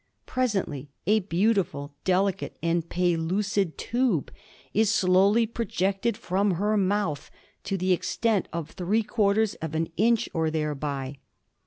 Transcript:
Presently a beautiful delicate and pellucid tube is slowly projected from her mouth to the extent of three quarters of an inch or thereby.